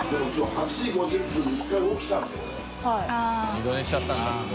二度寝しちゃったんだ。